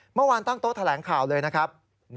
เมื่อวานตั้งโต๊ะแถลงข่าวเลยนะครับ